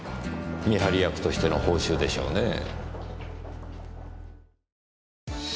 見張り役としての報酬でしょうねぇ。